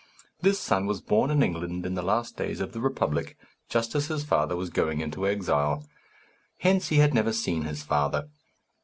This son was born in England in the last days of the republic, just as his father was going into exile. Hence he had never seen his father.